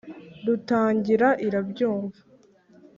rutangira irabyumva.